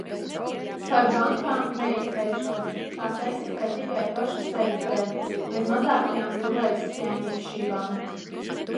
Par bankām neizteikšos, tās eksistē tikai pašas sevis dēļ, bez mazākajām cilvēciskajām īpašībām.